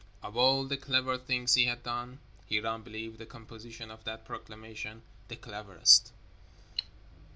Of all the clever things he had done, Hiram believed the composition of that proclamation the cleverest.